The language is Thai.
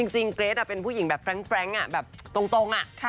จริงเกรทเป็นผู้หญิงแบบแฟรงแบบตรงอะ